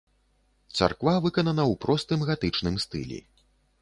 Царква выканана ў простым гатычным стылі.